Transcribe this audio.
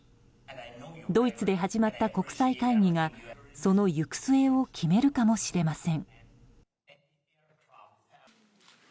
ドイツで始まった国際会議がその行く末を決めるかもしれません。